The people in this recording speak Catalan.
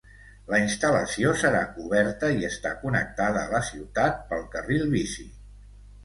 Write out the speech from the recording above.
La instal·lació serà oberta i està connectada a la ciutat pel carril bici.